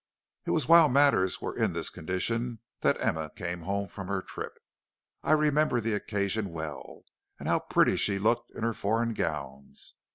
"It was while matters were in this condition that Emma came home from her trip. I remember the occasion well, and how pretty she looked in her foreign gowns.